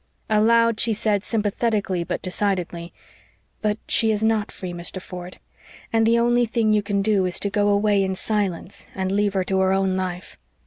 Aloud she said, sympathetically but decidedly: "But she is not free, Mr. Ford. And the only thing you can do is to go away in silence and leave her to her own life."